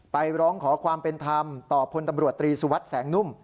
ร้องขอความเป็นธรรมต่อพลตำรวจตรีสุวัสดิ์แสงนุ่ม